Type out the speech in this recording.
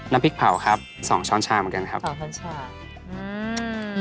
น้ำพริกผาวครับ๒ช้อนชาเหมือนกันครับ